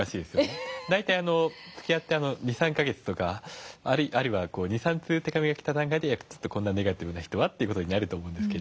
大体つきあって２３か月とかあるいは２３通手紙が来た段階で「ちょっとこんなネガティブな人は」という事になると思うんですけど。